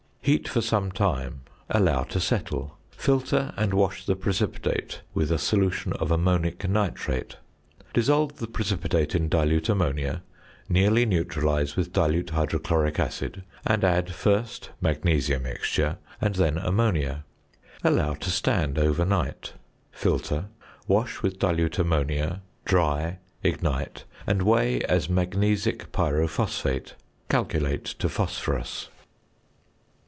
Heat for some time, allow to settle, filter, and wash the precipitate with a solution of ammonic nitrate. Dissolve the precipitate in dilute ammonia, nearly neutralise with dilute hydrochloric acid, and add first "magnesia mixture," and then ammonia; allow to stand overnight; filter, wash with dilute ammonia, dry, ignite, and weigh as magnesic pyrophosphate. Calculate to phosphorus.